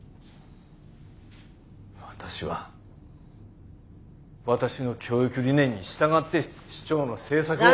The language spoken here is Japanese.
私は私の教育理念に従って市長の政策を。